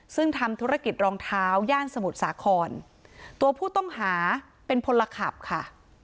ซึ่งทำธุรกิจรองเท้าย่านสมุทรสาครตัวผู้ต้องหาเป็นพลขับค่ะ